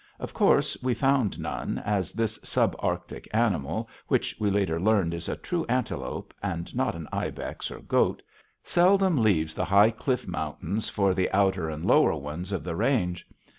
Of course we found none, as this sub Arctic animal, which we later learned is a true antelope, and not an ibex or goat, seldom leaves the high cliff mountains for the outer and lower ones of the range.